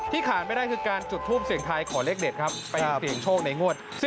ขาดไม่ได้คือการจุดทูปเสียงไทยขอเลขเด็ดครับไปเสี่ยงโชคในงวด๑๖